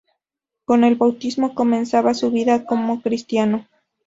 Con el bautismo comenzaba su vida como cristiano.